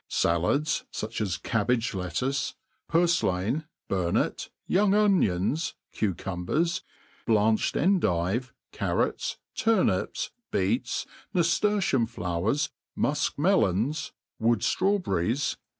Sallads, as cabbage iet^ ttice, purilain, burnet, young onions, cucumbers, blanched en* dive^ carrots, turnips, beets, naftertium*flowers, mu(k melons, wood ilrawberries.